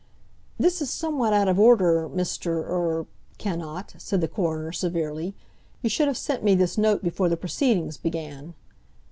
"This is somewhat out of order, Mr.—er—Cannot," said the coroner severely. "You should have sent me this note before the proceedings began.